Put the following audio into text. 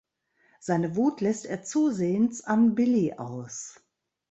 Seine Wut lässt er zusehends an Billie aus.